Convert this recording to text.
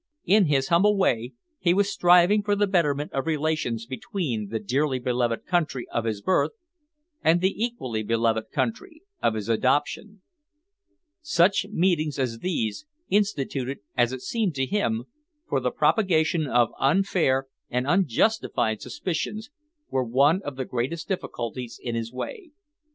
In his humble way he was striving for the betterment of relations between the dearly beloved country of his birth and the equally beloved country of his adoption. Such meetings as these, instituted, as it seemed to him, for the propagation of unfair and unjustified suspicions, were one of the greatest difficulties in his way.